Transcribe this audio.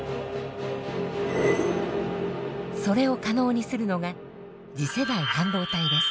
それを可能にするのが次世代半導体です。